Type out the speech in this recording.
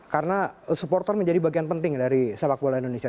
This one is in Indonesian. karena supporter menjadi bagian penting dari sepak bola indonesia